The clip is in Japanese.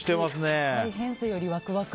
大変さよりワクワク。